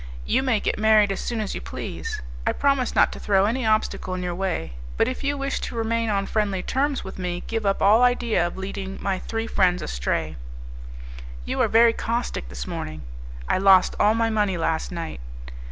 You may get married as soon as you please; I promise not to throw any obstacle in your way; but if you wish to remain on friendly terms with me give up all idea of leading my three friends astray." "You are very caustic this morning." "I lost all my money last night.